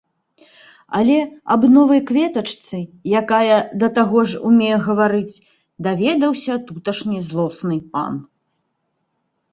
Але аб новай кветачцы, якая да таго ж умее гаварыць, даведаўся туташні злосны пан.